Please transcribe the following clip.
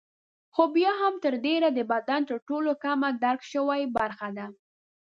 خو بیا هم تر ډېره د بدن تر ټولو کمه درک شوې برخه ده.